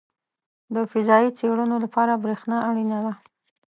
• د فضایي څېړنو لپاره برېښنا اړینه ده.